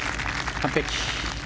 完璧。